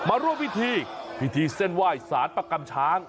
มาร่วมพิธีพิธีเส้นไหว้สารประกำช้าง